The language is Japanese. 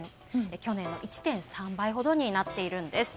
去年の１．３倍ほどになっているんです。